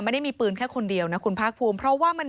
ไม่ได้มีปืนแค่คนเดียวนะคุณพาคภูมิ